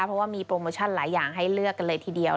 เพราะว่ามีโปรโมชั่นหลายอย่างให้เลือกกันเลยทีเดียว